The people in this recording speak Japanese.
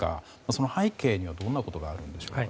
その背景にはどんなことがあるんでしょうか。